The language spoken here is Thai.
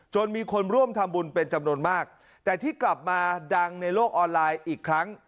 มีคนร่วมทำบุญเป็นจำนวนมากแต่ที่กลับมาดังในโลกออนไลน์อีกครั้ง